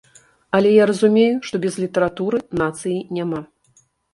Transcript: Але я разумею, што без літаратуры нацыі няма.